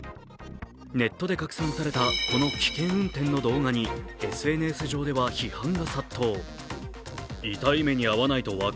ネットで拡散されたこの危険運転の動画にＳＮＳ上では批判が殺到。